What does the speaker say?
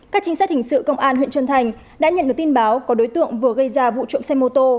các trinh sát hình sự công an huyện trân thành đã nhận được tin báo có đối tượng vừa gây ra vụ trộm xe mô tô